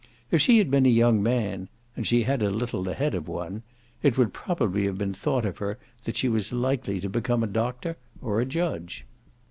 If she had been a young man and she had a little the head of one it would probably have been thought of her that she was likely to become a Doctor or a Judge.